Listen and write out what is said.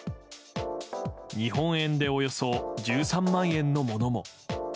日本円でおよそ１３万円のものも。